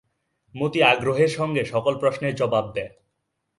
মতি আগ্রহের সঙ্গে সকল প্রশ্নের জবাব দেয়।